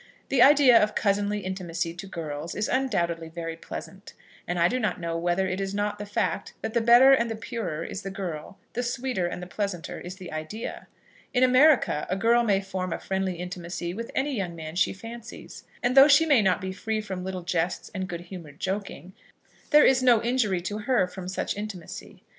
The idea of cousinly intimacy to girls is undoubtedly very pleasant; and I do not know whether it is not the fact that the better and the purer is the girl, the sweeter and the pleasanter is the idea. In America a girl may form a friendly intimacy with any young man she fancies, and though she may not be free from little jests and good humoured joking, there is no injury to her from such intimacy.